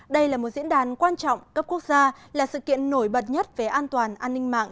đây là một diễn đàn quan trọng cấp quốc gia là sự kiện nổi bật nhất về an toàn an ninh mạng